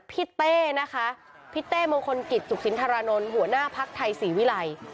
พี่เต้นะคะพี่เต้มงคลกิจซุกศิลป์ธารณนท์หัวหน้าภาคไทยศรีวิลัย